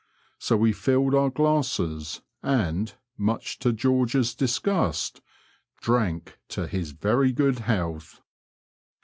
So we filled our glasses, and, much to George's disgust, drank to his very good health."